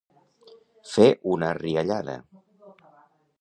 Fer una riallada.